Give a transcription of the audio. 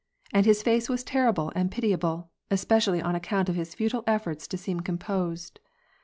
And his f%ee was ter rible and pitiable, especially on account of his futile efforts to seem composed.